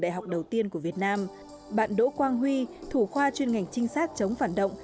đại học đầu tiên của việt nam bạn đỗ quang huy thủ khoa chuyên ngành trinh sát chống phản động